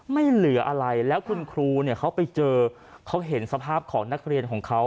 ไม่เหลืออะไรแล้วคุณครูเนี่ยเขาไปเจอเขาเห็นสภาพของนักเรียนของเขา